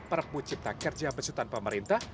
perekbut cipta kerja bersutan pemerintah